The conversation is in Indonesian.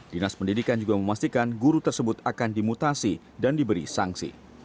dinas pendidikan juga memastikan guru tersebut akan dimutasi dan diberi sanksi